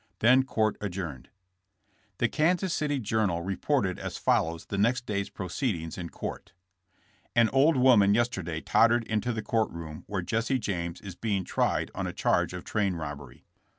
Then court adjourned. The Kansas City Journal reported as follows the next day's proceedings in court: An old woman yesterday tottered into the court room where Jesse James is being tried on a charge of train robbery.